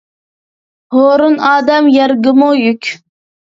ھورۇن ئادەم يەرگىمۇ يۈك.